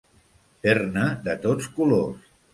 Fer-ne de tots colors.